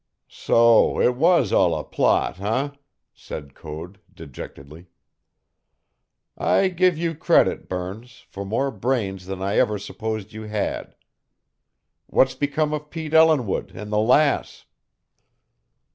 "So it was all a plot, eh?" said Code dejectedly. "I give you credit, Burns, for more brains than I ever supposed you had. What's become of Pete Ellinwood and the _Lass?